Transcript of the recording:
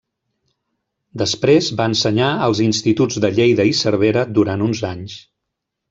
Després va ensenyar als instituts de Lleida i Cervera durant uns anys.